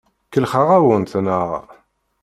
Kellxeɣ-awent, naɣ?